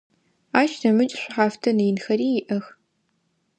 Ащ нэмыкӏ шӏухьафтын инхэри иӏэх.